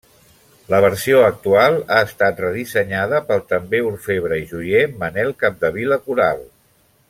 La versió actual ha estat redissenyada pel també orfebre i joier Manel Capdevila Coral.